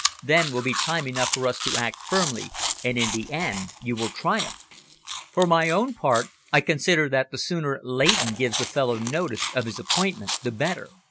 Then will be time enough for us to act firmly, and, in the end, you will triumph. For my own part I consider that the sooner Leighton gives the fellow notice of his appointment the better."